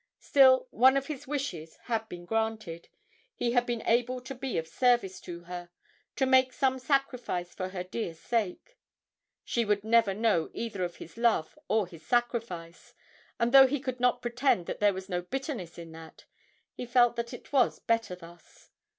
Still, one of his wishes had been granted he had been able to be of service to her, to make some sacrifice for her dear sake. She would never know either of his love or his sacrifice, and though he could not pretend that there was no bitterness in that, he felt that it was better thus.